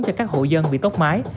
cho các hộ dân bị tốc mái